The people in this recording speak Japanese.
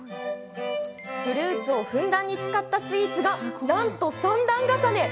フルーツをふんだんに使ったスイーツが、なんと三段重ね。